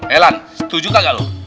elan setuju kagak lo